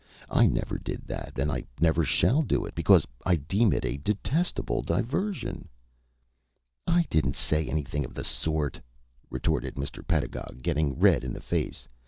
I never did that, and I never shall do it, because I deem it a detestable diversion." "I didn't say anything of the sort," retorted Mr. Pedagog, getting red in the face.